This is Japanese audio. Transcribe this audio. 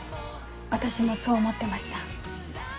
私もそう思ってました。